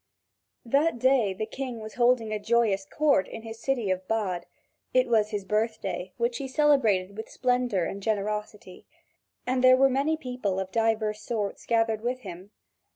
That day the king was holding a joyous court at his city of Bade; it was his birthday, which he celebrated with splendour and generosity, and there were many people of divers sorts gathered with him.